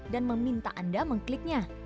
dan meminta anda mengkliknya